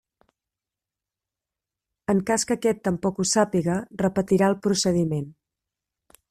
En cas que aquest tampoc ho sàpiga repetirà el procediment.